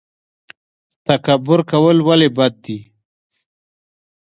تکبر کول ولې بد دي؟